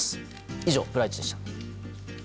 以上、プライチでした。